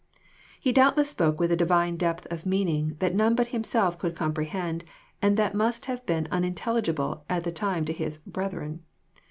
He doubtless spoke with a Divine depth of meaning that none but Himself could comprehend, and that must have been unintelligible at the time to His brethren."